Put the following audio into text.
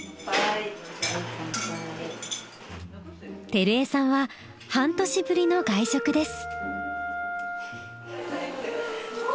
光衞さんは半年ぶりの外食です。